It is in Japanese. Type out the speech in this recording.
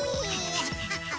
ハハハハ。